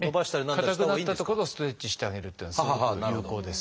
硬くなった所をストレッチしてあげるというのはすごく有効です。